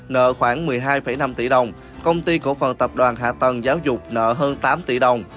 nợ khoảng một mươi hai năm tỷ đồng công ty cổ phần tập đoàn hạ tầng giáo dục nợ hơn tám tỷ đồng